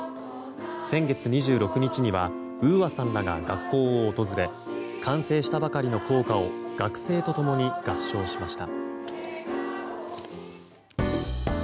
先月２６日にはＵＡさんらが学校を訪れ完成したばかりの校歌を学生と共に合唱しました。